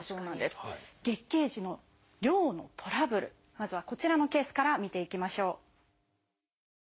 まずはこちらのケースから見ていきましょう。